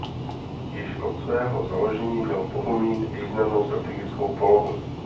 Již od svého založení měl Bohumín významnou strategickou polohu.